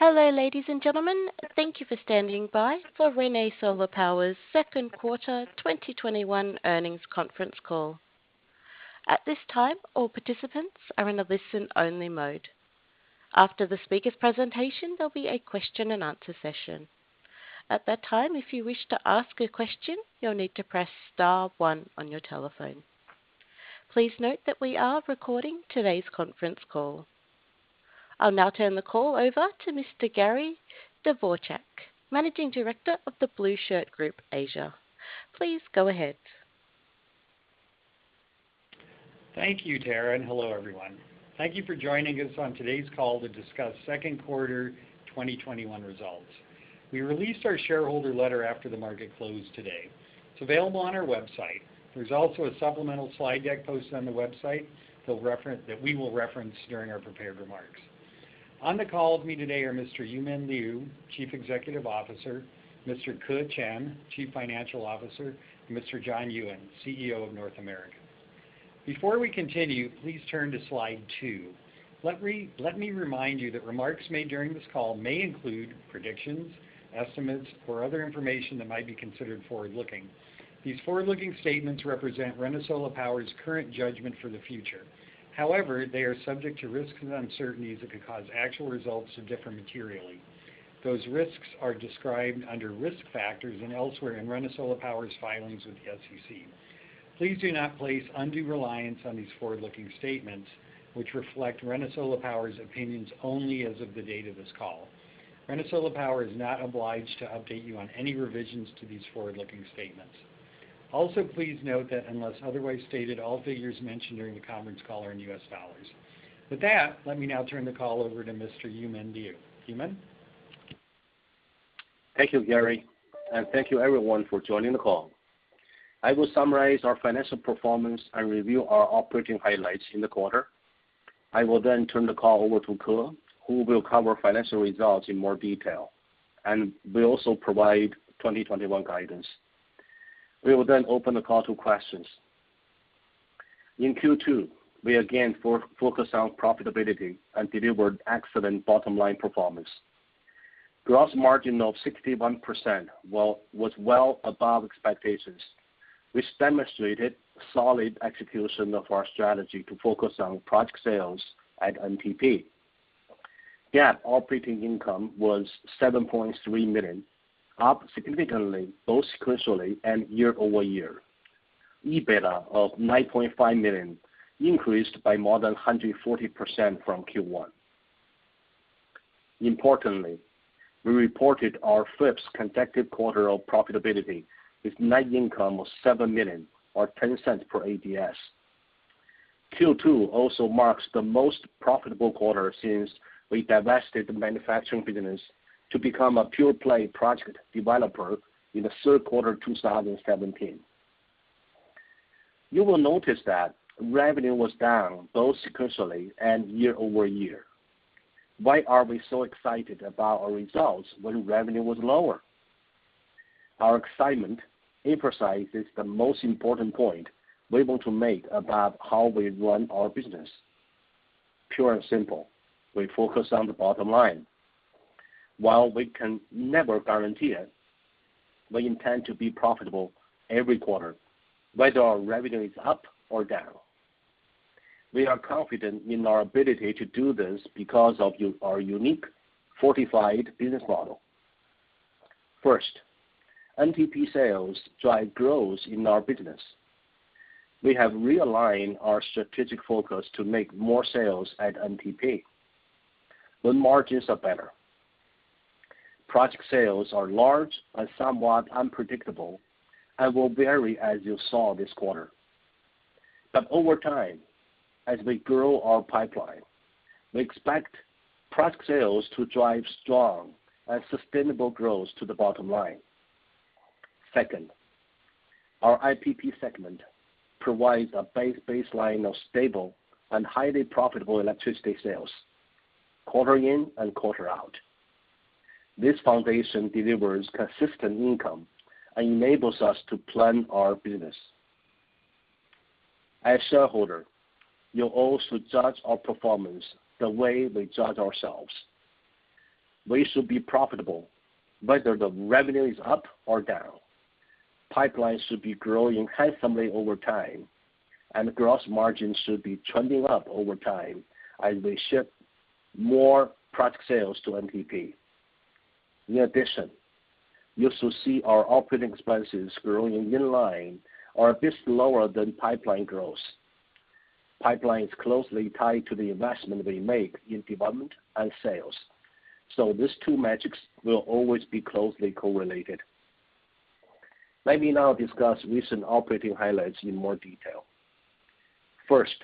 Hello, ladies and gentlemen. Thank you for standing by for ReneSola Power's second quarter 2021 earnings conference call. At this time, all participants are in a listen-only mode. After the speaker's presentation, there'll be a question and answer session. At that time, if you wish to ask a question, you'll need to press star one on your telephone. Please note that we are recording today's conference call. I'll now turn the call over to Mr. Gary Dvorchak, Managing Director of The Blueshirt Group, Asia. Please go ahead. Thank you, Tara, and hello, everyone. Thank you for joining us on today's call to discuss second quarter 2021 results. We released our shareholder letter after the market closed today. It's available on our website. There's also a supplemental slide deck posted on the website that we will reference during our prepared remarks. On the call with me today are Mr. Yumin Liu, Chief Executive Officer, Mr. Ke Chen, Chief Financial Officer, and Mr. John Ewen, CEO of North America. Before we continue, please turn to slide two. Let me remind you that remarks made during this call may include predictions, estimates, or other information that might be considered forward-looking. These forward-looking statements represent ReneSola Power's current judgment for the future. However, they are subject to risks and uncertainties that could cause actual results to differ materially. Those risks are described under risk factors and elsewhere in ReneSola Power's filings with the SEC. Please do not place undue reliance on these forward-looking statements, which reflect ReneSola Power's opinions only as of the date of this call. ReneSola Power is not obliged to update you on any revisions to these forward-looking statements. Please note that unless otherwise stated, all figures mentioned during the conference call are in U.S. dollars. With that, let me now turn the call over to Mr. Yumin Liu. Yumin? Thank you, Gary, and thank you everyone for joining the call. I will summarize our financial performance and review our operating highlights in the quarter. I will then turn the call over to Ke, who will cover financial results in more detail and will also provide 2021 guidance. We will then open the call to questions. In Q2, we again focused on profitability and delivered excellent bottom-line performance. Gross margin of 61% was well above expectations, which demonstrated solid execution of our strategy to focus on project sales at NTP. GAAP operating income was $7.3 million, up significantly both sequentially and year-over-year. EBITDA of $9.5 million increased by more than 140% from Q1. Importantly, we reported our fifth consecutive quarter of profitability with net income of $7 million or $0.10 per ADS. Q2 also marks the most profitable quarter since we divested the manufacturing business to become a pure-play project developer in the third quarter of 2017. You will notice that revenue was down both sequentially and year-over-year. Why are we so excited about our results when revenue was lower? Our excitement emphasizes the most important point we want to make about how we run our business. Pure and simple, we focus on the bottom line. While we can never guarantee it, we intend to be profitable every quarter, whether our revenue is up or down. We are confident in our ability to do this because of our unique fortified business model. First, NTP sales drive growth in our business. We have realigned our strategic focus to make more sales at NTP when margins are better. Project sales are large and somewhat unpredictable and will vary as you saw this quarter. Over time, as we grow our pipeline, we expect project sales to drive strong and sustainable growth to the bottom line. Second, our IPP segment provides a baseline of stable and highly profitable electricity sales quarter in and quarter out. This foundation delivers consistent income and enables us to plan our business. As shareholders, you all should judge our performance the way we judge ourselves. We should be profitable whether the revenue is up or down. Pipelines should be growing handsomely over time, and gross margins should be trending up over time as we shift more project sales to NTP. In addition, you should see our operating expenses growing in line or a bit lower than pipeline growth. Pipeline is closely tied to the investment we make in development and sales. These two metrics will always be closely correlated. Let me now discuss recent operating highlights in more detail. First,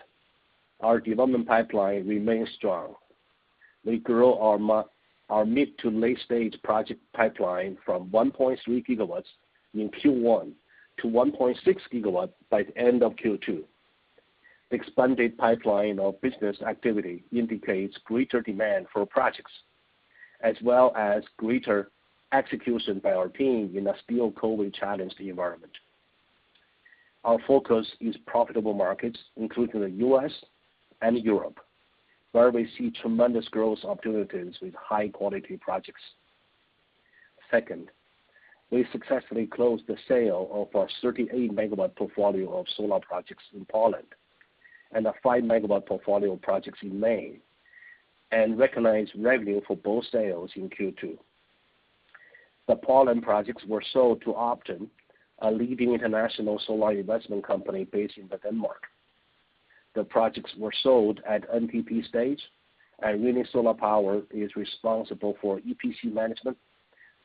our development pipeline remains strong. We grew our mid to late-stage project pipeline from 1.3 GW in Q1 to 1.6 GW by the end of Q2. Expanded pipeline of business activity indicates greater demand for projects, as well as greater execution by our team in a still COVID-challenged environment. Our focus is profitable markets, including the U.S. and Europe, where we see tremendous growth opportunities with high-quality projects. Second, we successfully closed the sale of our 38 MW portfolio of solar projects in Poland and a 5 MW portfolio of projects in Maine, and recognized revenue for both sales in Q2. The Poland projects were sold to Obton, a leading international solar investment company based in Denmark. The projects were sold at NTP stage, and ReneSola Power is responsible for EPC management,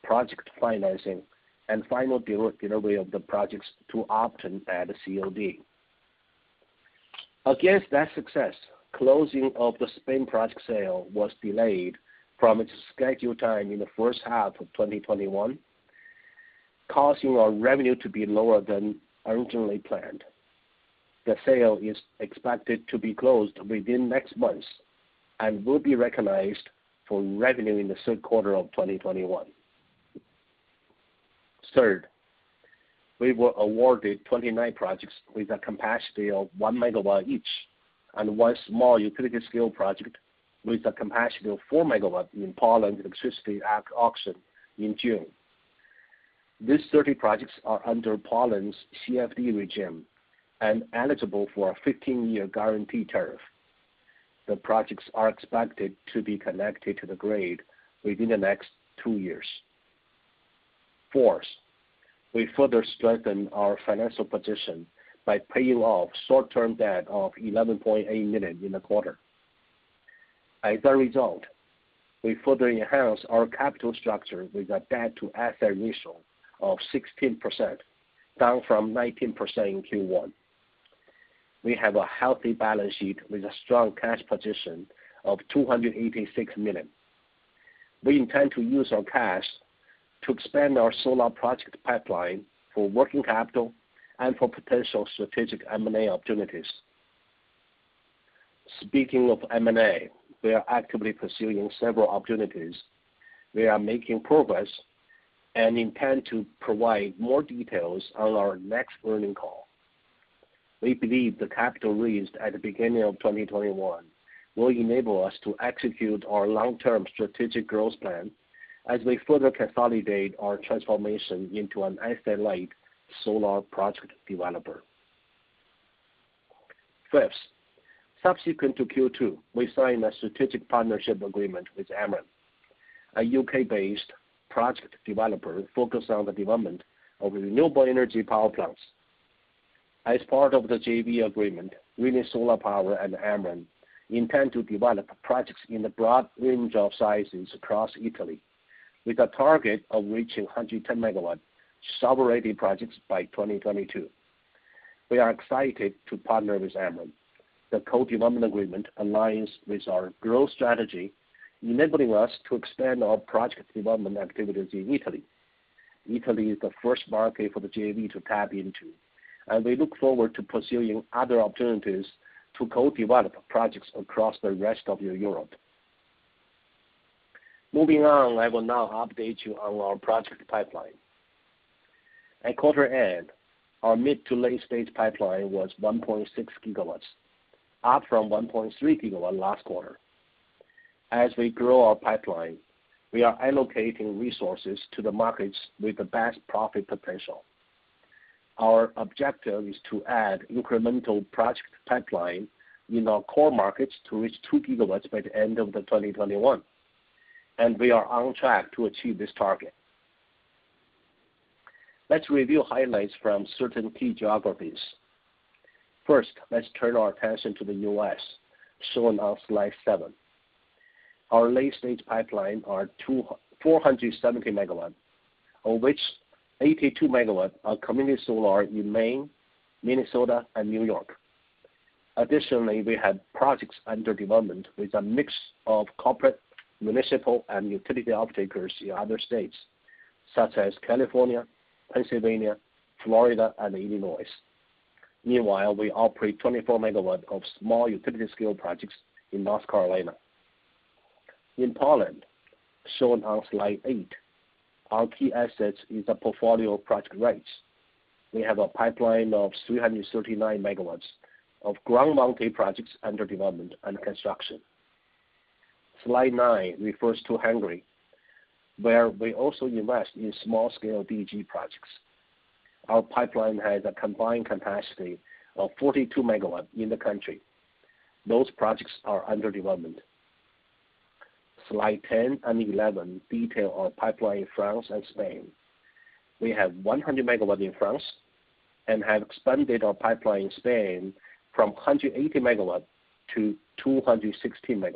project financing, and final delivery of the projects to Obton at COD. Against that success, closing of the Spain project sale was delayed from its scheduled time in the first half of 2021, causing our revenue to be lower than originally planned. The sale is expected to be closed within the next months and will be recognized for revenue in the third quarter of 2021. Third, we were awarded 29 projects with a capacity of 1 MW each and one small utility-scale project with a capacity of 4 MW in Poland Renewable Energy Sources Act auction in June. These 30 projects are under Poland's CfD regime and eligible for a 15-year guaranteed tariff. The projects are expected to be connected to the grid within the next two years. Fourth, we further strengthened our financial position by paying off short-term debt of $11.8 million in the quarter. As a result, we further enhanced our capital structure with a debt-to-asset ratio of 16%, down from 19% in Q1. We have a healthy balance sheet with a strong cash position of $286 million. We intend to use our cash to expand our solar project pipeline for working capital and for potential strategic M&A opportunities. Speaking of M&A, we are actively pursuing several opportunities. We are making progress and intend to provide more details on our next earning call. We believe the capital raised at the beginning of 2021 will enable us to execute our long-term strategic growth plan as we further consolidate our transformation into an asset-light solar project developer. Fifth, subsequent to Q2, we signed a strategic partnership agreement with Emeren, a U.K.-based project developer focused on the development of renewable energy power plants. As part of the JV agreement, ReneSola Power and Emeren intend to develop projects in a broad range of sizes across Italy with a target of reaching 110 MW sovereign projects by 2022. We are excited to partner with Emeren. The co-development agreement aligns with our growth strategy, enabling us to expand our project development activities in Italy. Italy is the first market for the JV to tap into. We look forward to pursuing other opportunities to co-develop projects across the rest of Europe. Moving on, I will now update you on our project pipeline. At quarter end, our mid-to-late stage pipeline was 1.6 GW, up from 1.3 GW last quarter. As we grow our pipeline, we are allocating resources to the markets with the best profit potential. Our objective is to add incremental project pipeline in our core markets to reach 2 GW by the end of 2021, and we are on track to achieve this target. Let's review highlights from certain key geographies. First, let's turn our attention to the U.S., shown on slide seven. Our late-stage pipeline are 470 MW, of which 82 MW are community solar in Maine, Minnesota, and New York. Additionally, we have projects under development with a mix of corporate, municipal, and utility off-takers in other states, such as California, Pennsylvania, Florida, and Illinois. Meanwhile, we operate 24 MW of small utility scale projects in North Carolina. In Poland, shown on slide eight, our key assets is a portfolio of project rights. We have a pipeline of 339 MW of ground-mounted projects under development and construction. Slide nine refers to Hungary, where we also invest in small-scale DG projects. Our pipeline has a combined capacity of 42 MW in the country. Those projects are under development. Slide 10 and 11 detail our pipeline in France and Spain. We have 100 MW in France and have expanded our pipeline in Spain from 180 MW to 216 MW.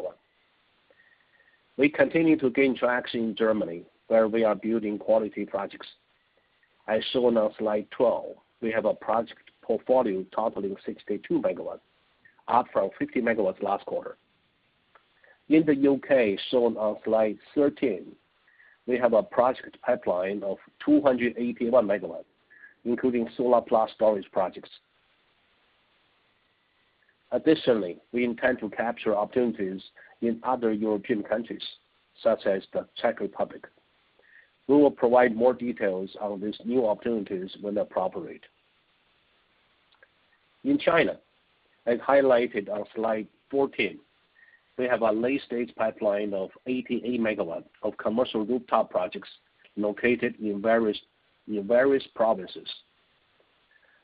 We continue to gain traction in Germany, where we are building quality projects. As shown on slide 12, we have a project portfolio totaling 62 MW up from 50 MW last quarter. In the U.K., shown on slide 13, we have a project pipeline of 281 MW, including solar-plus storage projects. We intend to capture opportunities in other European countries, such as the Czech Republic. We will provide more details on these new opportunities when they're appropriate. In China, as highlighted on slide 14, we have a late-stage pipeline of 88 MW of commercial rooftop projects located in various provinces.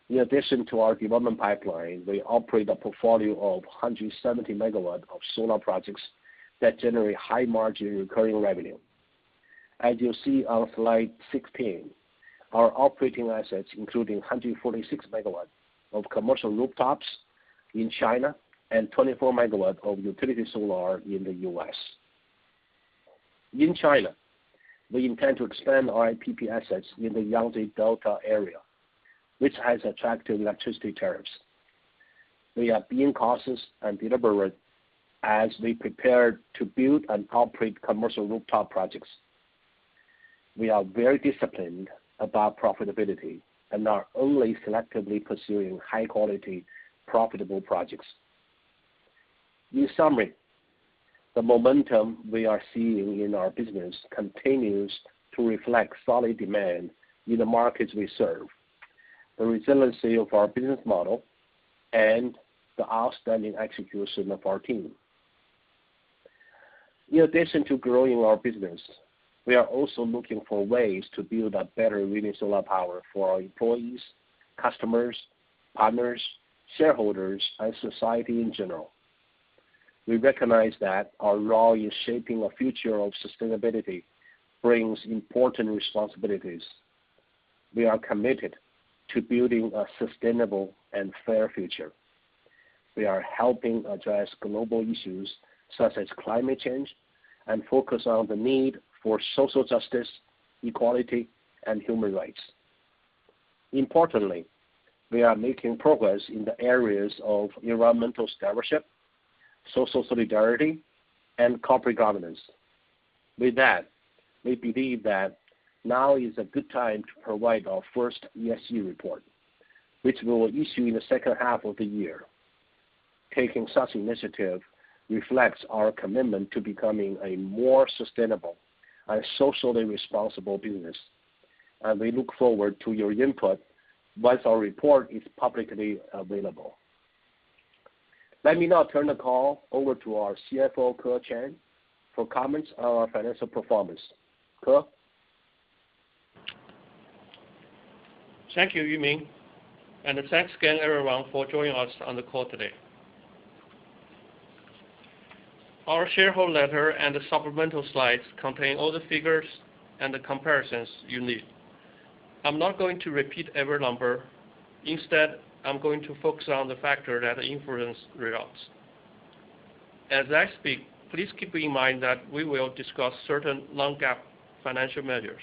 In addition to our development pipeline, we operate a portfolio of 170 MW of solar projects that generate high-margin recurring revenue. As you'll see on slide 16, our operating assets, including 146 MW of commercial rooftops in China and 24 MW of utility solar in the U.S. In China, we intend to expand our IPP assets in the Yangtze Delta area, which has attractive electricity tariffs. We are being cautious and deliberate as we prepare to build and operate commercial rooftop projects. We are very disciplined about profitability and are only selectively pursuing high-quality, profitable projects. In summary, the momentum we are seeing in our business continues to reflect solid demand in the markets we serve, the resiliency of our business model, and the outstanding execution of our team. In addition to growing our business, we are also looking for ways to build a better ReneSola Power for our employees, customers, partners, shareholders, and society in general. We recognize that our role in shaping a future of sustainability brings important responsibilities. We are committed to building a sustainable and fair future. We are helping address global issues such as climate change and focus on the need for social justice, equality, and human rights. Importantly, we are making progress in the areas of environmental stewardship, social solidarity, and corporate governance. With that, we believe that now is a good time to provide our first ESG report, which we will issue in the second half of the year. Taking such initiative reflects our commitment to becoming a more sustainable and socially responsible business, and we look forward to your input once our report is publicly available. Let me now turn the call over to our CFO, Ke Chen, for comments on our financial performance. Ke? Thank you, Yumin, and thanks again, everyone, for joining us on the call today. Our shareholder letter and the supplemental slides contain all the figures and the comparisons you need. I'm not going to repeat every number. Instead, I'm going to focus on the factor that influence results. As I speak, please keep in mind that we will discuss certain non-GAAP financial measures.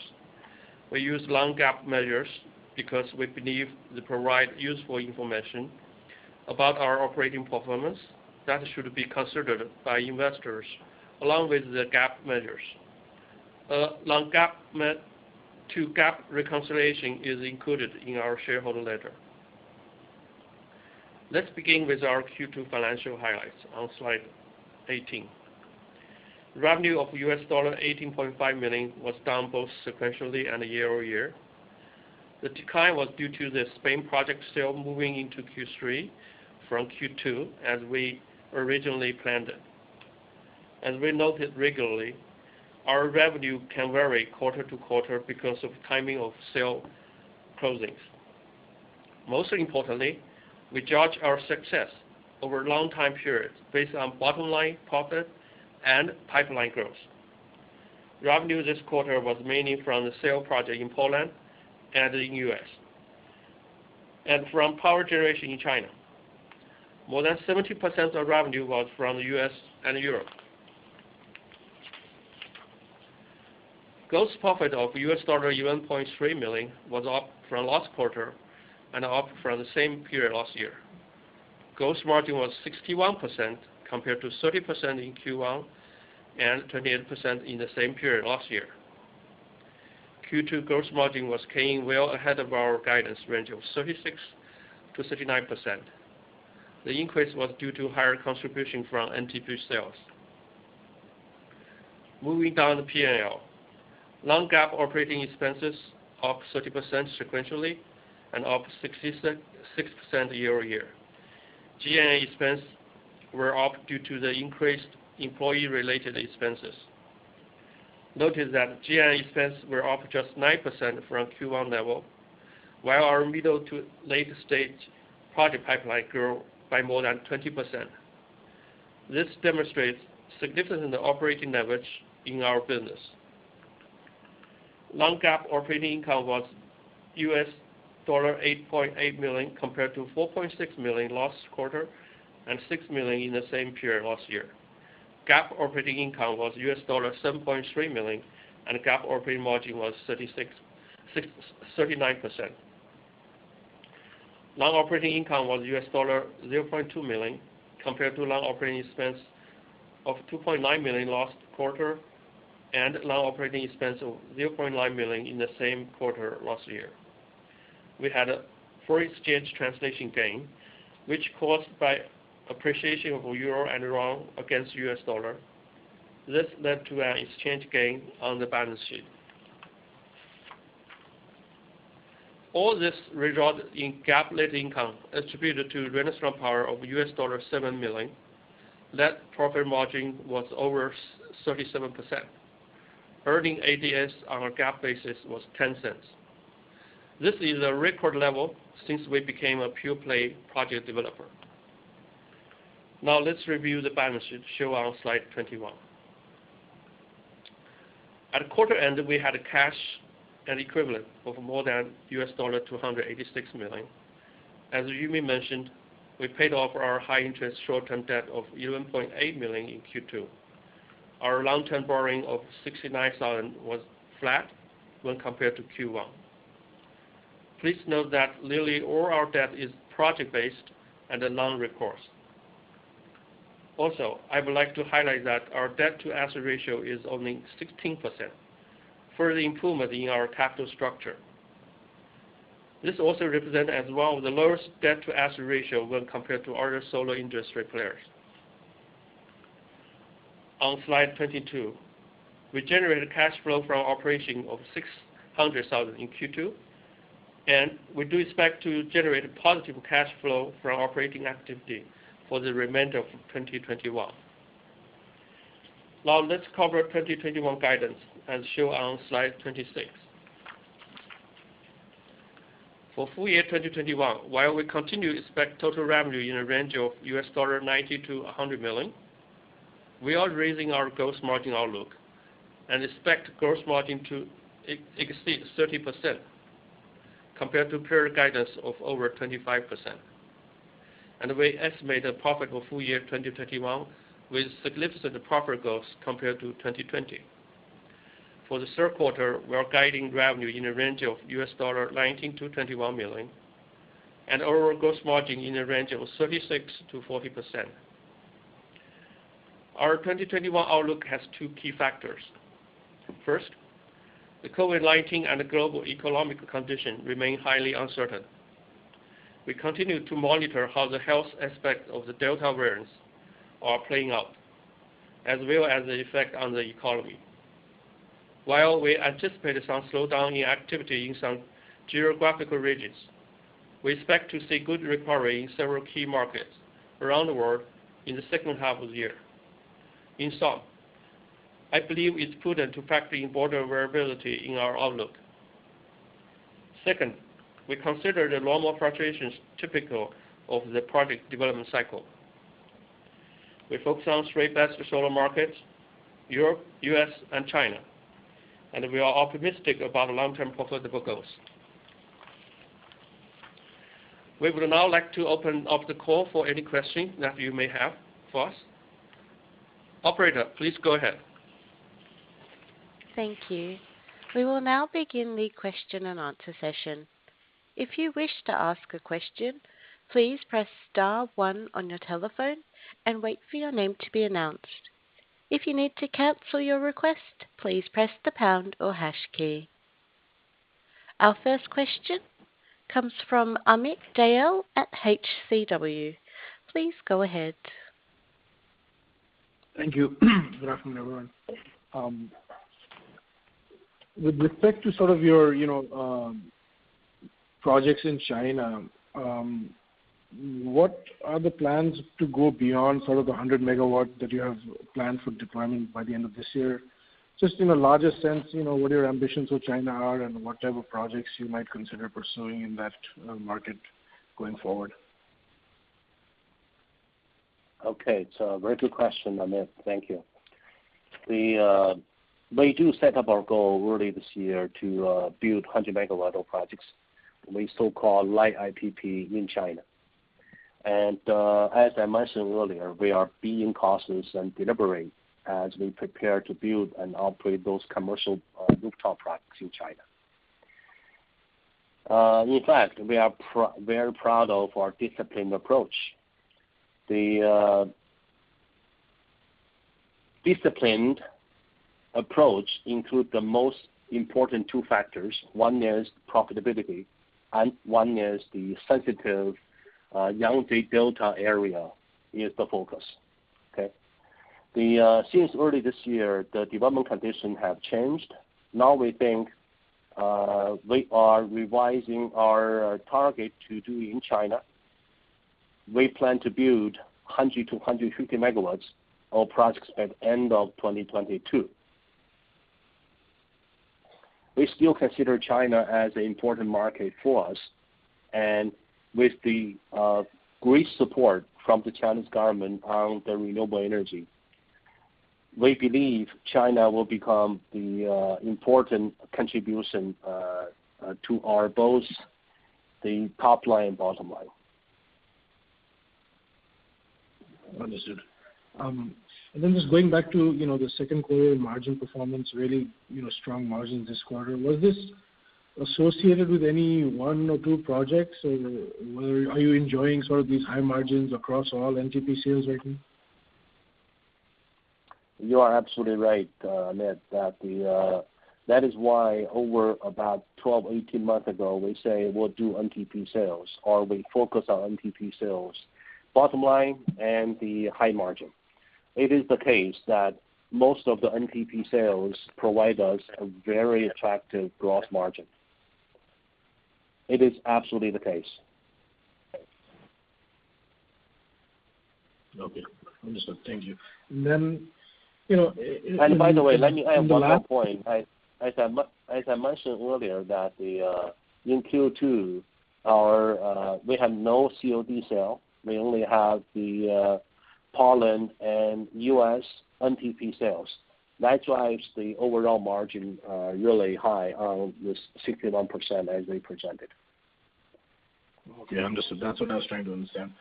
We use non-GAAP measures because we believe they provide useful information about our operating performance that should be considered by investors along with the GAAP measures. Non-GAAP to GAAP reconciliation is included in our shareholder letter. Let's begin with our Q2 financial highlights on slide 18. Revenue of $18.5 million was down both sequentially and year-over-year. The decline was due to the Spain project sale moving into Q3 from Q2 as we originally planned it. As we noted regularly, our revenue can vary quarter-to-quarter because of timing of sale closings. Most importantly, we judge our success over long time periods based on bottom-line profit and pipeline growth. Revenue this quarter was mainly from the sale project in Poland and in U.S., and from power generation in China. More than 70% of revenue was from the U.S. and Europe. Gross profit of $11.3 million was up from last quarter and up from the same period last year. Gross margin was 61% compared to 30% in Q1 and 28% in the same period last year. Q2 gross margin came in well ahead of our guidance range of 36%-39%. The increase was due to higher contribution from NTP sales. Moving down the P&L. Non-GAAP operating expenses up 30% sequentially and up 66% year-over-year. G&A expense were up due to the increased employee-related expenses. Notice that G&A expense were up just 9% from Q1 level, while our middle to late-stage project pipeline grew by more than 20%. This demonstrates significant operating leverage in our business. Non-GAAP operating income was $8.8 million compared to $4.6 million last quarter, and $6 million in the same period last year. GAAP operating income was $7.3 million, and GAAP operating margin was 39%. Non-operating income was $0.2 million compared to non-operating expense of $2.9 million last quarter and non-operating expense of $0.9 million in the same quarter last year. We had a foreign exchange translation gain, which caused by appreciation of euro and renminbi against U.S. dollar. This led to an exchange gain on the balance sheet. All this resulted in GAAP net income attributed to ReneSola Power of $7 million. Net profit margin was over 37%. Earning ADS on a GAAP basis was $0.10. This is a record level since we became a pure-play project developer. Now let's review the balance sheet shown on slide 21. At quarter end, we had cash and equivalent of more than $286 million. As Yumin Liu mentioned, we paid off our high-interest short-term debt of $1.8 million in Q2. Our long-term borrowing of $69,000 was flat when compared to Q1. Please note that nearly all our debt is project-based and non-recourse. Also, I would like to highlight that our debt-to-asset ratio is only 16%, further improvement in our capital structure. This also represents as one of the lowest debt-to-asset ratio when compared to other solar industry players. On slide 22, we generated cash flow from operation of $600,000 in Q2, and we do expect to generate positive cash flow from operating activity for the remainder of 2021. Let's cover 2021 guidance, as shown on slide 26. For full year 2021, while we continue to expect total revenue in the range of $90 million-$100 million, we are raising our gross margin outlook and expect gross margin to exceed 30%, compared to prior guidance of over 25%. We estimate a profitable full year 2021 with significant profit growth compared to 2020. For the third quarter, we are guiding revenue in the range of $19 million-$21 million and overall gross margin in the range of 36%-40%. Our 2021 outlook has two key factors. First, the COVID-19 and global economic condition remain highly uncertain. We continue to monitor how the health aspects of the Delta variant are playing out, as well as the effect on the economy. While we anticipate some slowdown in activity in some geographical regions, we expect to see good recovery in several key markets around the world in the second half of the year. In sum, I believe it's prudent to factor in broader variability in our outlook. Second, we consider the normal fluctuations typical of the project development cycle. We focus on three best solar markets, Europe, U.S., and China, and we are optimistic about long-term profitable growth. We would now like to open up the call for any questions that you may have for us. Operator, please go ahead. Thank you. We will now begin the question and answer session. Our first question comes from Amit Dayal at HCW. Please go ahead. Thank you. Good afternoon, everyone. With respect to some of your projects in China, what are the plans to go beyond some of the 100 MW that you have planned for deployment by the end of this year? Just in a larger sense, what your ambitions for China are and what type of projects you might consider pursuing in that market going forward. Okay. It's a very good question, Amit Dayal. Thank you. We do set up our goal early this year to build 100 MW of projects, we so-call light IPP in China. As I mentioned earlier, we are being cautious and deliberate as we prepare to build and operate those commercial rooftop projects in China. In fact, we are very proud of our disciplined approach. The disciplined approach includes the most important two factors. One is profitability, and one is the sensitive Yangtze Delta area is the focus. Okay. Since early this year, the development conditions have changed. Now we think we are revising our target to do in China. We plan to build 100-150 MW of projects by the end of 2022. We still consider China as an important market for us. With the great support from the Chinese government on the renewable energy, we believe China will become the important contribution to our both the top line and bottom line. Understood. Just going back to the second quarter margin performance, really strong margin this quarter. Was associated with any one or two projects? Are you enjoying these high margins across all NTP sales right now? You are absolutely right, Amit. That is why over about 12-18 months ago, we say we'll do NTP sales, or we focus on NTP sales. Bottom line, the high margin. It is the case that most of the NTP sales provide us a very attractive gross margin. It is absolutely the case. Okay. Understood. Thank you. By the way, let me add one last point. As I mentioned earlier that in Q2, we have no COD sale. We only have the Poland and U.S. NTP sales. That drives the overall margin really high on this 61% as we presented. Okay, understood. That is what I was trying to understand.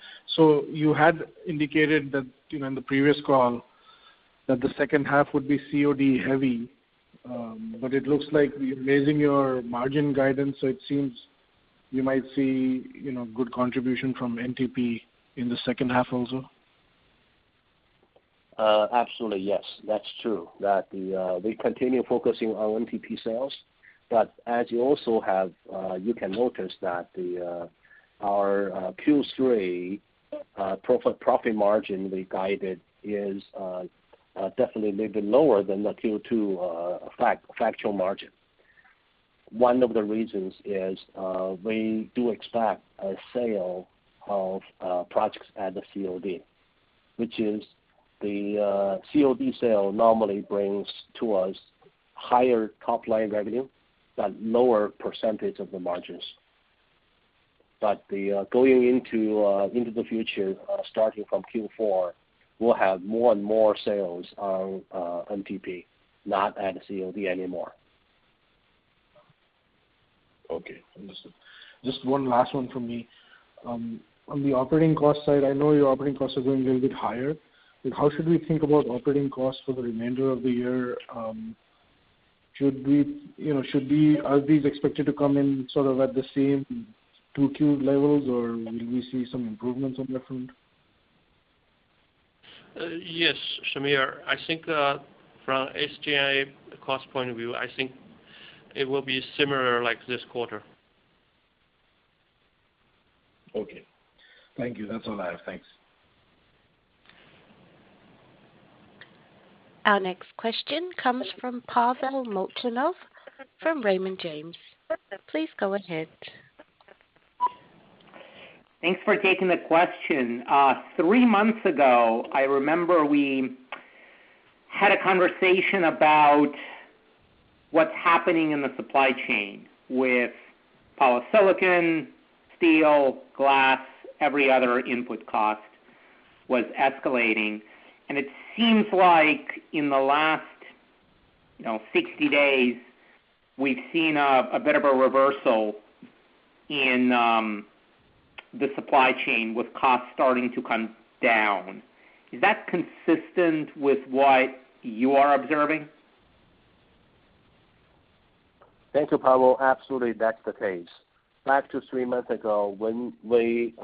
You had indicated that in the previous call that the second half would be COD heavy, but it looks like you're raising your margin guidance, so it seems you might see good contribution from NTP in the second half also? Absolutely, yes. That's true, that we continue focusing on NTP sales. As you also can notice that our Q3 profit margin we guided is definitely a little bit lower than the Q2 factual margin. One of the reasons is, we do expect a sale of projects at the COD. Which is, the COD sale normally brings to us higher top-line revenue, but lower percentage of the margins. Going into the future, starting from Q4, we'll have more and more sales on NTP, not at COD anymore. Understood. Just one last one from me. On the operating cost side, I know your operating costs are going a little bit higher. How should we think about operating costs for the remainder of the year? Are these expected to come in sort of at the same 2Q levels, or will we see some improvements on that front? Yes, Similar. I think from SG&A cost point of view, I think it will be similar like this quarter. Okay. Thank you. That's all I have. Thanks. Our next question comes from Pavel Molchanov from Raymond James. Please go ahead. Thanks for taking the question. Three months ago, I remember we had a conversation about what's happening in the supply chain with polysilicon, steel, glass, every other input cost was escalating. It seems like in the last 60 days, we've seen a bit of a reversal in the supply chain with costs starting to come down. Is that consistent with what you are observing? Thank you, Pavel. Absolutely that's the case. Back to three months ago, when we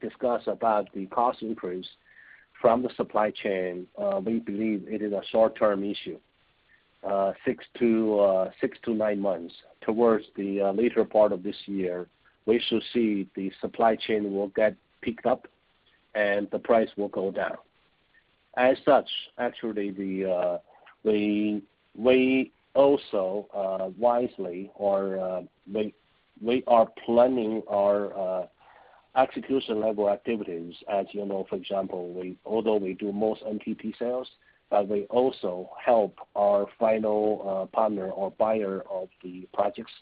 discussed about the cost increase from the supply chain, we believe it is a short-term issue. Six to nine months. Towards the later part of this year, we should see the supply chain will get picked up and the price will go down. Actually, we also wisely are planning our execution-level activities. As you know, for example, although we do most NTP sales, we also help our final partner or buyer of the projects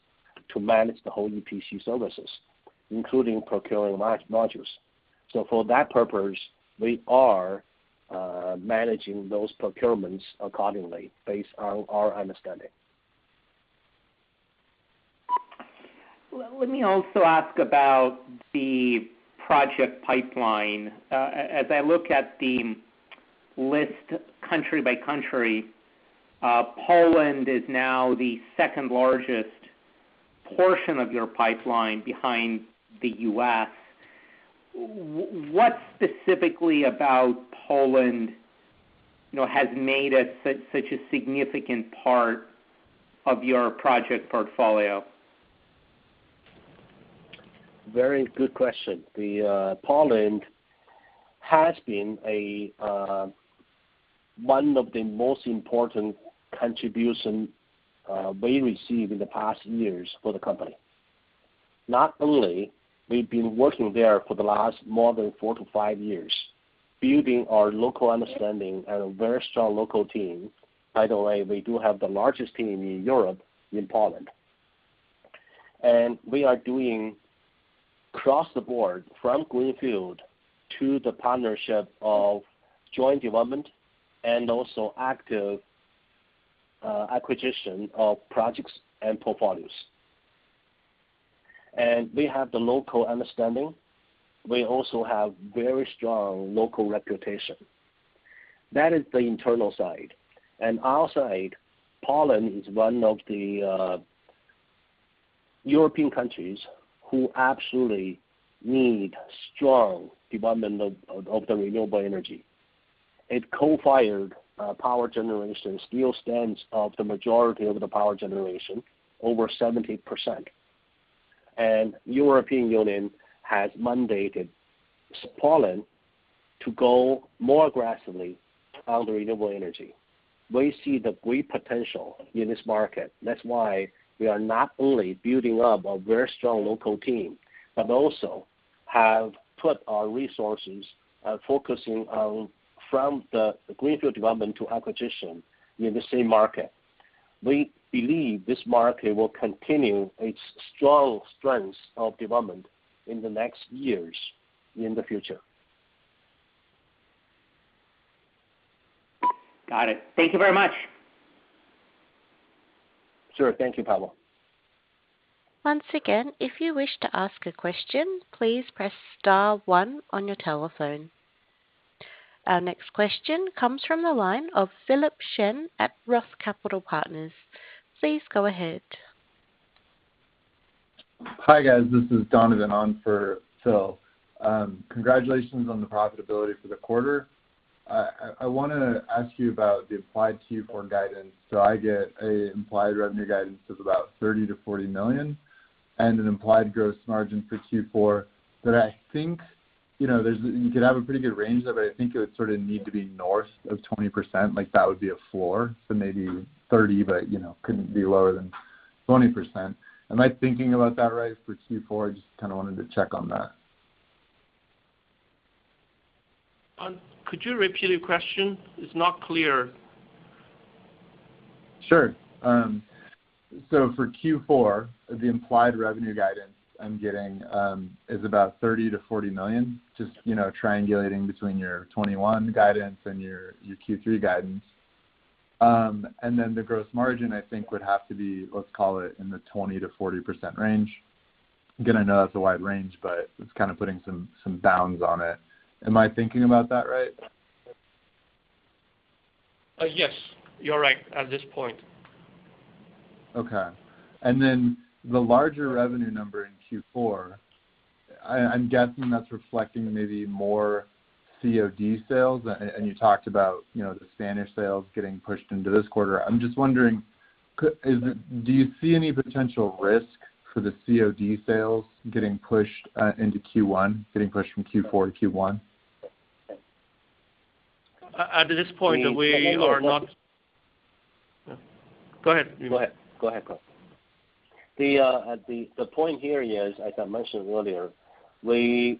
to manage the whole EPC services, including procuring modules. For that purpose, we are managing those procurements accordingly based on our understanding. Let me also ask about the project pipeline. As I look at the list country-by-country, Poland is now the second-largest portion of your pipeline behind the U.S. What specifically about Poland has made it such a significant part of your project portfolio? Very good question. Poland has been one of the most important contribution we received in the past years for the company. Not only we've been working there for the last more than four-five years, building our local understanding and a very strong local team. By the way, we do have the largest team in Europe, in Poland. We are doing across the board, from greenfield to the partnership of joint development and also active acquisition of projects and portfolios. We have the local understanding. We also have very strong local reputation. That is the internal side. Outside, Poland is one of the European countries who absolutely need strong development of the renewable energy. Its coal-fired power generation still stands of the majority of the power generation, over 70%. European Union has mandated Poland to go more aggressively on the renewable energy. We see the great potential in this market. That's why we are not only building up a very strong local team, but also have put our resources focusing on from the greenfield development to acquisition in the same market. We believe this market will continue its strong strengths of development in the next years in the future. Got it. Thank you very much. Sure. Thank you, Pavel. Once again, if you wish to ask a question, please press star one on your telephone. Our next question comes from the line of Philip Shen at Roth Capital Partners. Please go ahead. Hi, guys. This is Donovan on for Phil. Congratulations on the profitability for the quarter. I want to ask you about the applied Q4 guidance. I get a implied revenue guidance of about $30 million-$40 million, and an implied gross margin for Q4 that I think you could have a pretty good range of it. I think it would sort of need to be north of 20%, like that would be a floor. Maybe 30%, but couldn't be lower than 20%. Am I thinking about that right for Q4? I just kind of wanted to check on that. Could you repeat your question? It's not clear. Sure. For Q4, the implied revenue guidance I'm getting is about $30 million-$40 million. Just triangulating between your 2021 guidance and your Q3 guidance. Then the gross margin, I think would have to be, let's call it in the 20%-40% range. Again, I know that's a wide range, but it's kind of putting some bounds on it. Am I thinking about that right? Yes, you're right at this point. Okay. The larger revenue number in Q4, I'm guessing that's reflecting maybe more COD sales, and you talked about the Spanish sales getting pushed into this quarter. I'm just wondering, do you see any potential risk for the COD sales getting pushed into Q1, getting pushed from Q4 to Q1? The point here is, as I mentioned earlier,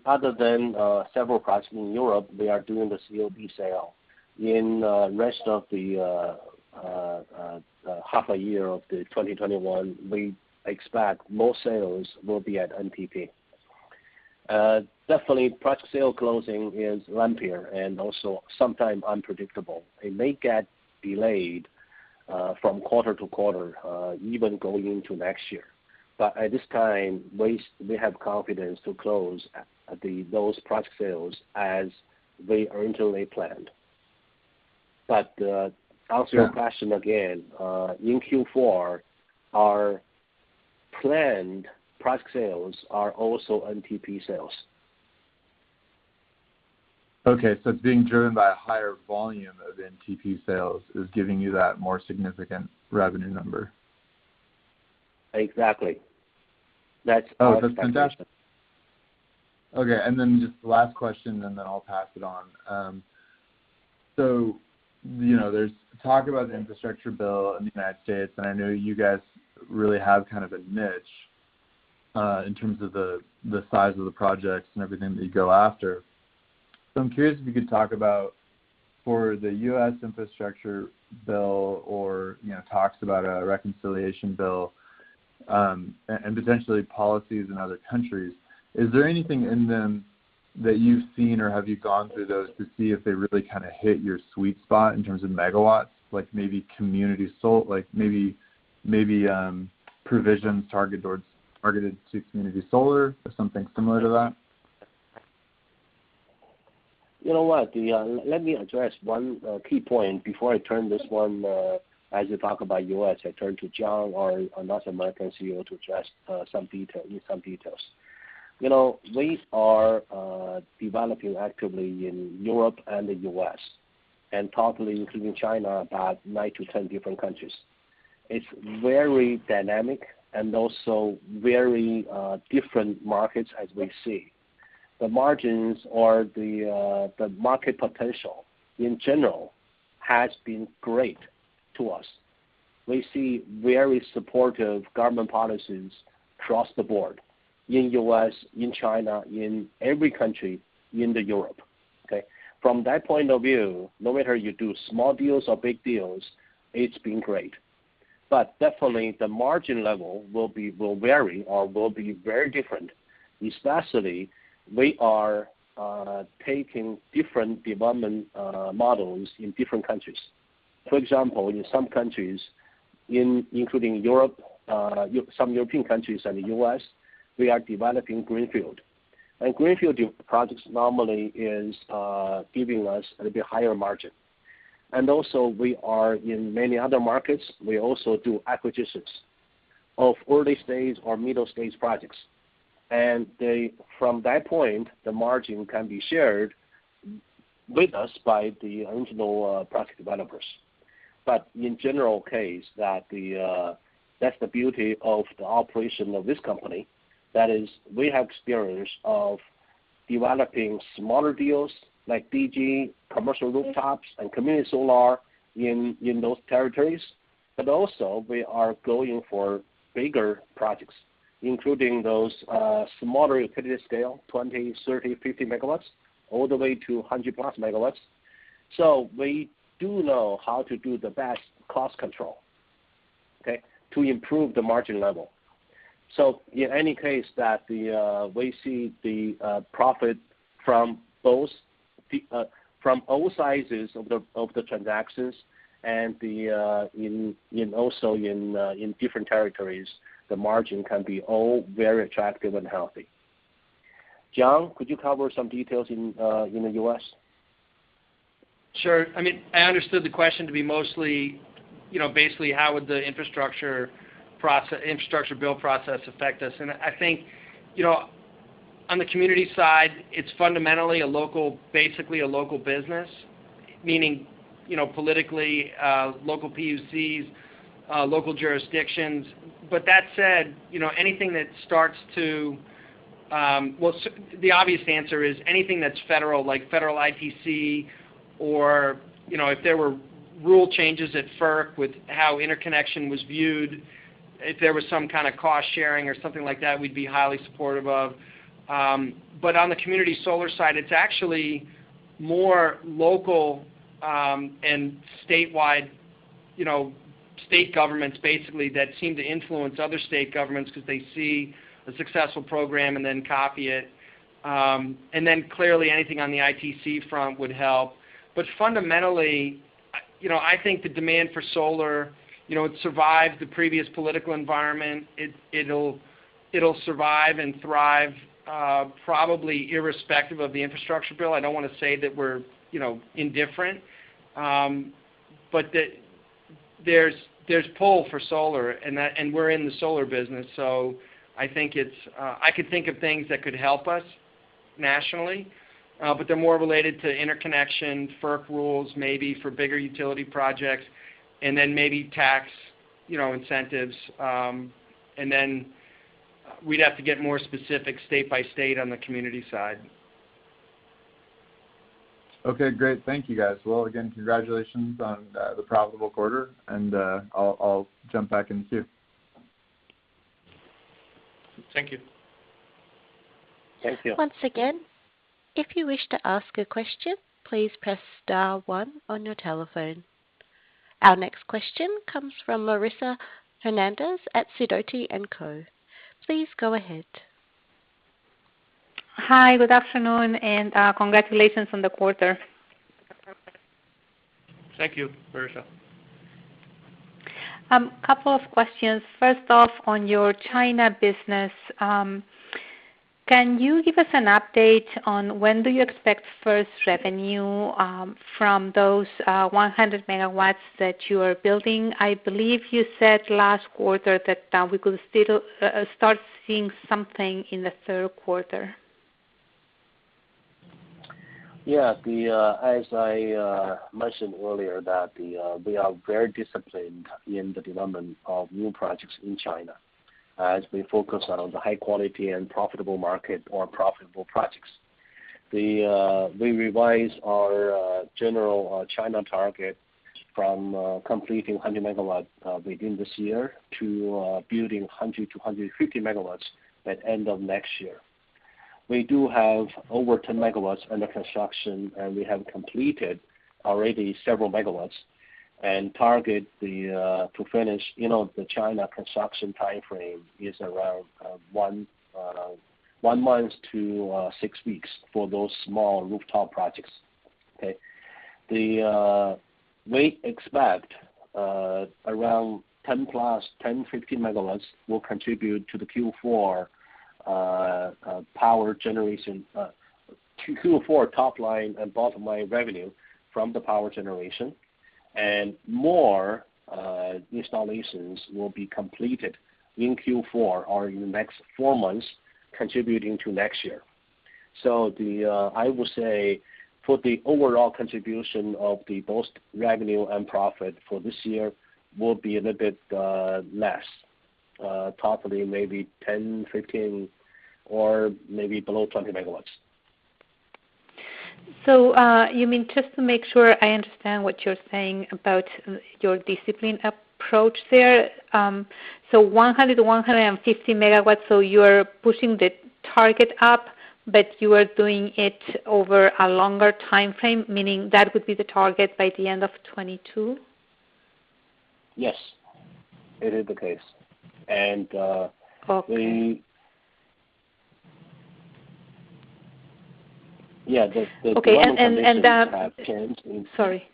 other than several projects in Europe, we are doing the COD sale. In rest of the half a year of 2021, we expect most sales will be at NTP. Definitely, project sale closing is lumpier, and also sometimes unpredictable. It may get delayed from quarter-to-quarter, even going into next year. At this time, we have confidence to close those project sales as we originally planned. To answer your question again, in Q4, our planned project sales are also NTP sales. Okay, it's being driven by a higher volume of NTP sales is giving you that more significant revenue number? Exactly. Oh, that's fantastic. Okay, just the last question, and then I'll pass it on. There's talk about the Infrastructure Bill in the United States, and I know you guys really have kind of a niche, in terms of the size of the projects and everything that you go after. I'm curious if you could talk about for the U.S. Infrastructure Bill or talks about a Reconciliation Bill, and potentially policies in other countries. Is there anything in them that you've seen, or have you gone through those to see if they really hit your sweet spot in terms of megawatt, like maybe community solar? Like maybe provisions targeted to community solar or something similar to that? You know what? Let me address one key point before I turn this one, as you talk about U.S., I turn to John, our North American CEO, to address with some details. We are developing actively in Europe and the U.S., and probably including China, about nine-10 different countries. It's very dynamic and also very different markets as we see. The margins or the market potential, in general, has been great to us. We see very supportive government policies across the board in U.S., in China, in every country in the Europe. Okay. From that point of view, no matter you do small deals or big deals, it's been great. Definitely the margin level will vary or will be very different. Especially, we are taking different development models in different countries. For example, in some countries, including some European countries and the U.S., we are developing greenfield. Greenfield projects normally is giving us a bit higher margin. Also we are in many other markets, we also do acquisitions of early-stage or middle-stage projects. From that point, the margin can be shared with us by the original project developers. In general case, that's the beauty of the operation of this company. That is, we have experience of developing smaller deals like DG, commercial rooftops, and community solar in those territories. Also we are going for bigger projects, including those smaller utility-scale, 20, 30, 50 MW, all the way to 100-plus MW. We do know how to do the best cost control, okay, to improve the margin level. In any case, we see the profit from all sizes of the transactions and also in different territories, the margin can be all very attractive and healthy. John, could you cover some details in the U.S.? Sure. I understood the question to be mostly, basically how would the infrastructure build process affect us? I think, on the community side, it's fundamentally, basically a local business, meaning, politically, local PUCs, local jurisdictions. That said, the obvious answer is anything that's federal, like federal ITC, or if there were rule changes at FERC with how interconnection was viewed, if there was some kind of cost-sharing or something like that, we'd be highly supportive of. On the community solar side, it's actually more local and statewide state governments, basically, that seem to influence other state governments because they see a successful program and then copy it. Clearly anything on the ITC front would help. Fundamentally, I think the demand for solar, it survived the previous political environment. It'll survive and thrive, probably irrespective of the infrastructure bill. I don't want to say that we're indifferent, but there's pull for solar, and we're in the solar business. I could think of things that could help us nationally, but they're more related to interconnection, FERC rules, maybe for bigger utility projects, and then maybe tax incentives. We'd have to get more specific state by state on the community side. Okay, great. Thank you, guys. Again, congratulations on the profitable quarter, and I'll jump back in the queue. Thank you. Thank you. Once again, if you wish to ask a question, please press star one on your telephone. Our next question comes from Marisa Hernandez at Sidoti & Co. Please go ahead. Hi, good afternoon, and congratulations on the quarter. Thank you, Marisa. A couple of questions. First off, on your China business, can you give us an update on when do you expect first revenue from those 100 MW that you are building? I believe you said last quarter that we could start seeing something in the third quarter. As I mentioned earlier that we are very disciplined in the development of new projects in China as we focus on the high-quality and profitable market or profitable projects. We revised our general China target from completing 100 MW within this year to building 100 MW-150 MW by end of next year. We do have over 10 MW under construction, and we have completed already several MW and target to finish. The China construction timeframe is around one month to six weeks for those small rooftop projects. We expect around 10 MW-15 MW will contribute to the Q4 top line and bottom line revenue from the power generation. More installations will be completed in Q4 or in the next four months, contributing to next year. I will say, for the overall contribution of the both revenue and profit for this year will be a little bit less, probably maybe 10, 15, or maybe below 20 MW. Yumin, just to make sure I understand what you're saying about your discipline approach there. So 100-150 MW, so you are pushing the target up, but you are doing it over a longer timeframe, meaning that would be the target by the end of 2022? Yes, it is the case. Okay. Yeah, the global conditions have changed. Sorry.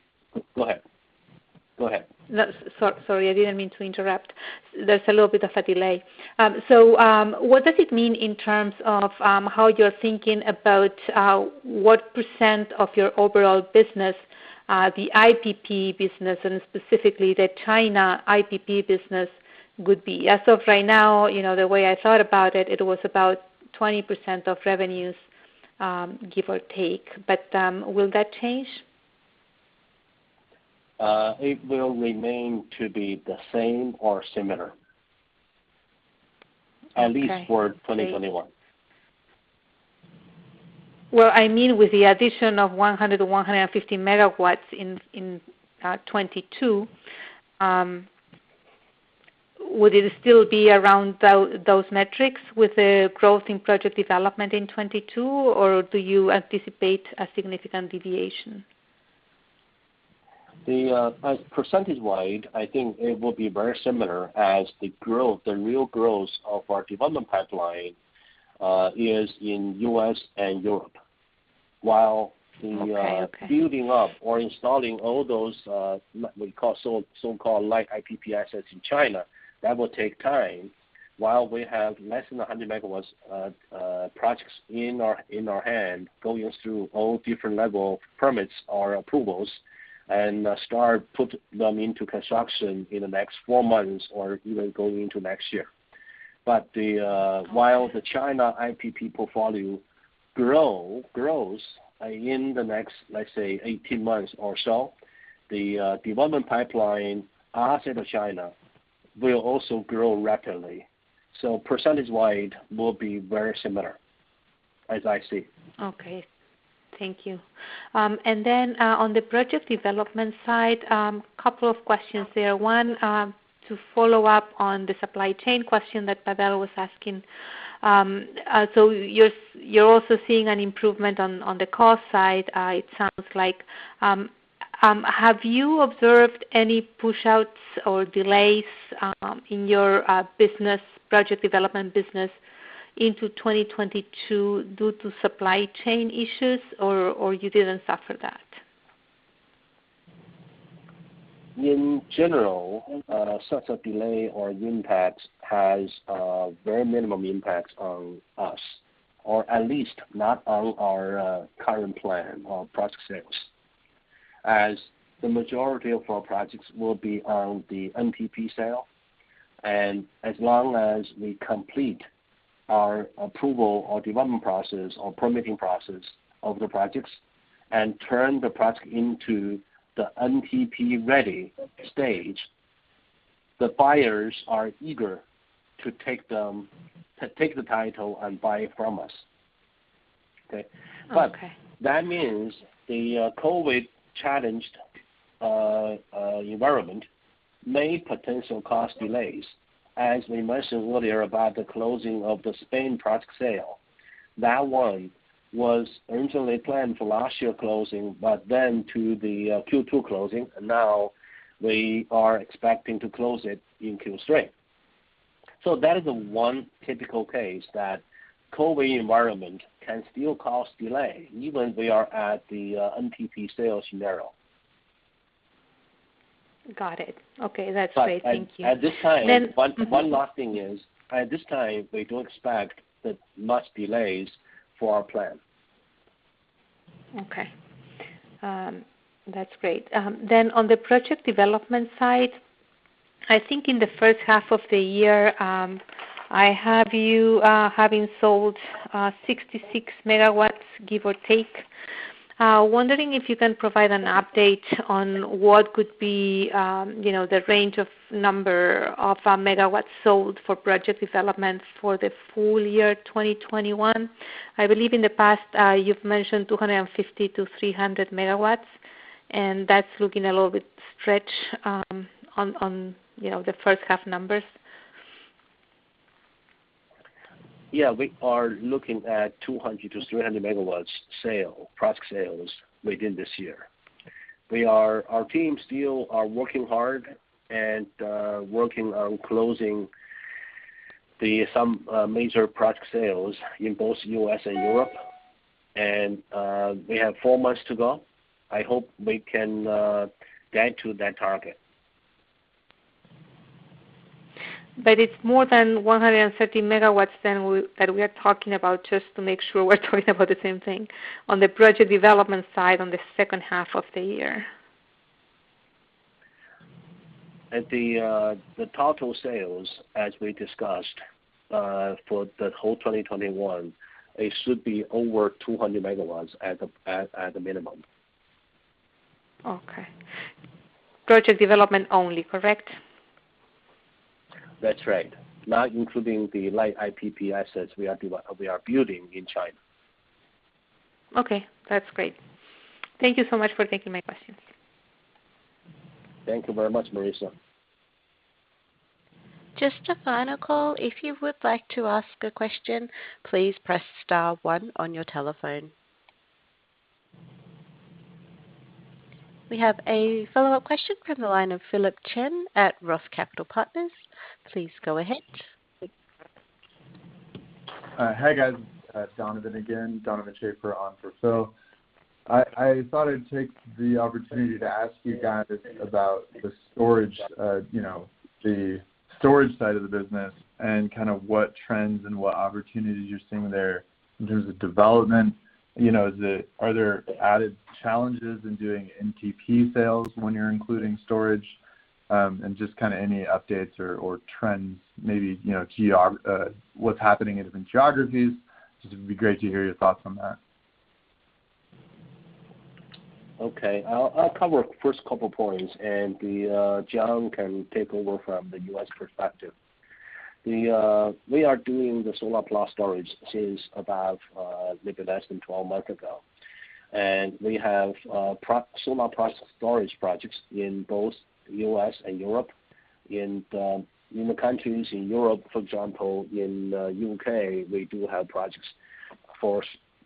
Go ahead. No, sorry. I didn't mean to interrupt. There's a little bit of a delay. What does it mean in terms of how you're thinking about what percent of your overall business, the IPP business and specifically the China IPP business, would be? As of right now, the way I thought about it was about 20% of revenues, give or take. Will that change? It will remain to be the same or similar, at least for 2021. Well, I mean with the addition of 100 MW to 150 MW in 2022, would it still be around those metrics with the growth in project development in 2022, or do you anticipate a significant deviation? Percentage-wide, I think it will be very similar as the real growth of our development pipeline is in U.S. and Europe. Okay. Building up or installing all those so-called light IPP assets in China, that will take time. While we have less than 100 MW projects in our hand going through all different level permits or approvals and start put them into construction in the next four months or even going into next year. While the China IPP portfolio grows in the next, let's say, 18 months or so, the development pipeline outside of China will also grow rapidly. Percentage-wide will be very similar, as I see. Okay. Thank you. On the project development side, couple of questions there. One, to follow up on the supply chain question that Pavel was asking. You're also seeing an improvement on the cost side, it sounds like. Have you observed any push-outs or delays in your project development business into 2022 due to supply chain issues, or you didn't suffer that? In general, such a delay or impact has a very minimum impact on us, or at least not on our current plan or project sales, as the majority of our projects will be on the NTP sale. As long as we complete our approval or development process or permitting process of the projects and turn the project into the NTP-ready stage, the buyers are eager to take the title and buy from us. Okay? Okay. That means the COVID-challenged environment may potential cause delays. As we mentioned earlier about the closing of the Spain project sale, that one was originally planned for last year closing, then to the Q2 closing. We are expecting to close it in Q3. That is the one typical case that COVID environment can still cause delay, even we are at the NTP sale scenario. Got it. Okay. That's great. Thank you. But at this time. Then. One last thing is, at this time, we don't expect that much delays for our plan. Okay. That's great. On the project development side, I think in the first half of the year, I have you having sold 66 MW, give or take. Wondering if you can provide an update on what could be the range of number of MW sold for project developments for the full year 2021. I believe in the past, you've mentioned 250-300 MW, and that's looking a little bit stretch on the first half numbers. Yeah. We are looking at 200-300 MW sale, project sales within this year. Our teams still are working hard and working on closing some major project sales in both U.S. and Europe. We have four months to go. I hope we can get to that target. It's more than 130 MW then that we are talking about, just to make sure we're talking about the same thing, on the project development side on the second half of the year. The total sales, as we discussed, for the whole 2021, it should be over 200 MW at the minimum. Okay. Project development only, correct? That's right. Not including the light IPP assets we are building in China. Okay. That's great. Thank you so much for taking my questions. Thank you very much, Marisa. Just the final call. If you would like to ask a question, please press star one on your telephone. We have a follow-up question from the line of Philip Shen at Roth Capital Partners. Please go ahead. Hi, guys. Donovan again, Donovan Schafer on for Philip Shen. I thought I'd take the opportunity to ask you guys about the storage side of the business and what trends and what opportunities you're seeing there in terms of development. Are there added challenges in doing NTP sales when you're including storage? Just any updates or trends, maybe what's happening in different geographies. Just would be great to hear your thoughts on that. Okay. I'll cover first couple points, and then John can take over from the U.S. perspective. We are doing the solar plus storage since about maybe less than 12 months ago. We have solar plus storage projects in both U.S. and Europe. In the countries in Europe, for example, in U.K., we do have projects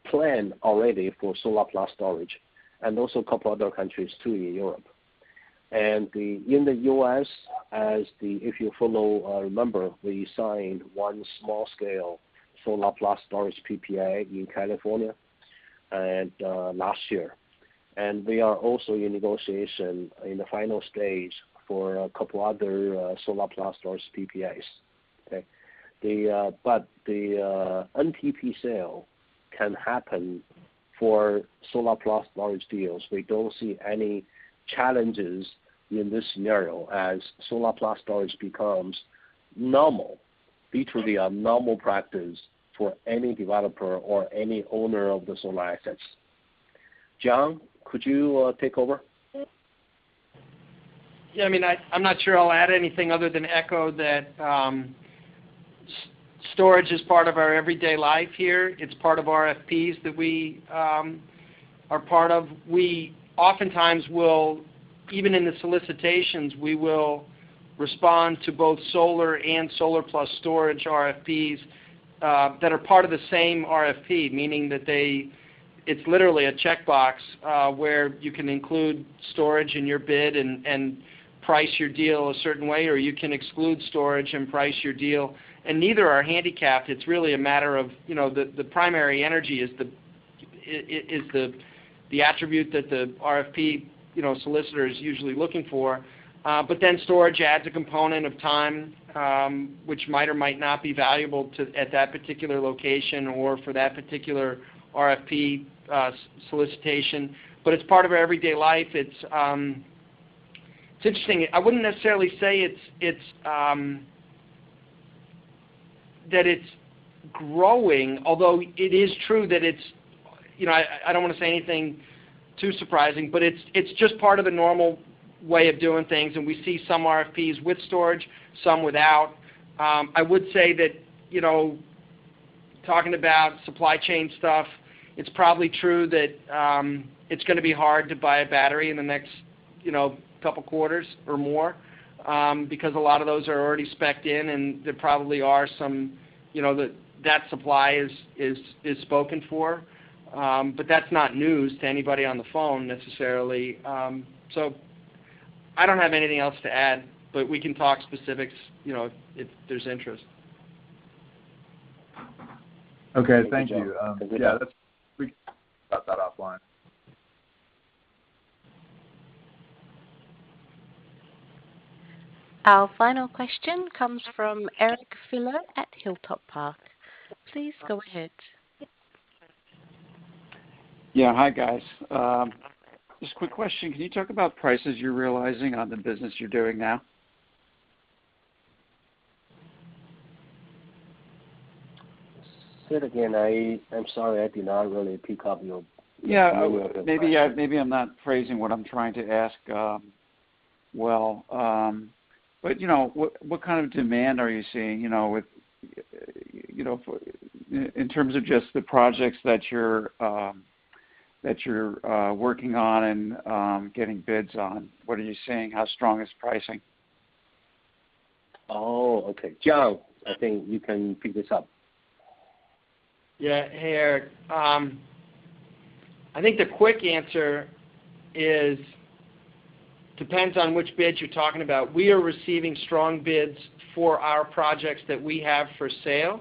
planned already for solar plus storage, and also a couple other countries too in Europe. In the U.S., if you follow or remember, we signed one small-scale solar plus storage PPA in California last year. We are also in negotiation in the final stage for a couple other solar plus storage PPAs. The NTP sale can happen for solar plus storage deals. We don't see any challenges in this scenario as solar plus storage becomes normal. It will be a normal practice for any developer or any owner of the solar assets. John, could you take over? I'm not sure I'll add anything other than echo that storage is part of our everyday life here. It's part of RFPs that we are part of. We oftentimes will, even in the solicitations, we will respond to both solar and solar plus storage RFPs that are part of the same RFP, meaning that it's literally a checkbox, where you can include storage in your bid and price your deal a certain way, or you can exclude storage and price your deal. Neither are handicapped. It's really a matter of the primary energy is the attribute that the RFP solicitor is usually looking for. Then storage adds a component of time, which might or might not be valuable at that particular location or for that particular RFP solicitation. It's part of our everyday life. It's interesting. I wouldn't necessarily say that it's growing, although it is true that it's I don't want to say anything too surprising, but it's just part of the normal way of doing things, and we see some RFPs with storage, some without. I would say that, talking about supply chain stuff, it's probably true that it's going to be hard to buy a battery in the next couple quarters or more, because a lot of those are already specced in, and there probably are some that supply is spoken for. That's not news to anybody on the phone, necessarily. I don't have anything else to add, but we can talk specifics if there's interest. Okay, thank you. Thank you, John. Yeah, we can talk about that offline. Our final question comes from Eric Filler at Hilltop Park. Please go ahead. Yeah. Hi, guys. Just quick question, can you talk about prices you're realizing on the business you're doing now? Say it again. I'm sorry, I did not really pick up. Yeah. Maybe I'm not phrasing what I'm trying to ask well. What kind of demand are you seeing in terms of just the projects that you're working on and getting bids on? What are you seeing? How strong is pricing? Oh, okay. John, I think you can pick this up. Hey, Eric. I think the quick answer is, depends on which bids you're talking about. We are receiving strong bids for our projects that we have for sale.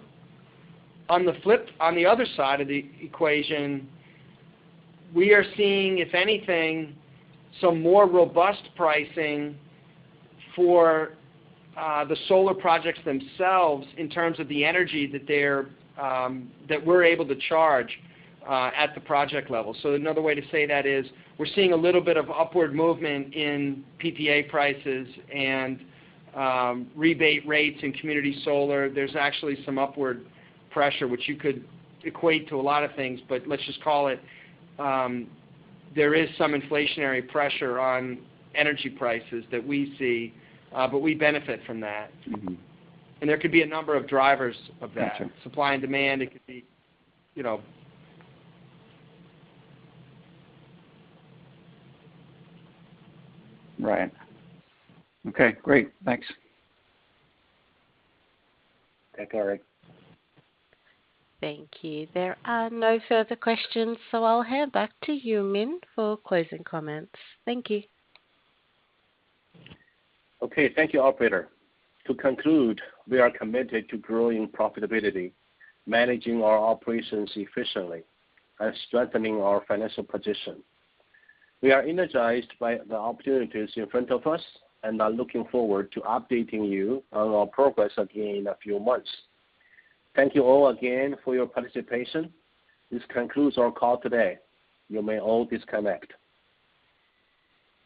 On the other side of the equation, we are seeing, if anything, some more robust pricing for the solar projects themselves in terms of the energy that we're able to charge at the project level. Another way to say that is, we're seeing a little bit of upward movement in PPA prices and rebate rates in community solar. There's actually some upward pressure, which you could equate to a lot of things, but let's just call it, there is some inflationary pressure on energy prices that we see, but we benefit from that. There could be a number of drivers of that. Got you. Supply and demand, it could be. Right. Okay, great. Thanks. Okay, Eric. Thank you. There are no further questions, so I will hand back to Yumin, for closing comments. Thank you. Okay, thank you, Operator. To conclude, we are committed to growing profitability, managing our operations efficiently, and strengthening our financial position. We are energized by the opportunities in front of us and are looking forward to updating you on our progress again in a few months. Thank you all again for your participation. This concludes our call today. You may all disconnect.